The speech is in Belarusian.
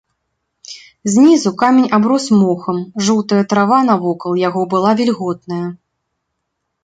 Знізу камень аброс мохам, жоўтая трава навокал яго была вільготная.